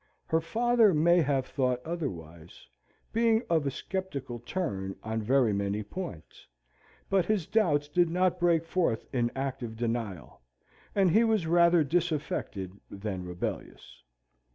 Her father may have thought otherwise, being of a sceptical turn on very many points, but his doubts did not break forth in active denial, and he was rather disaffected than rebellious.